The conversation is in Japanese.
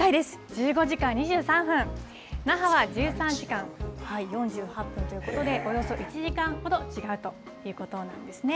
１５時間２３分、那覇は１３時間４８分ということで、およそ１時間ほど違うということなんですね。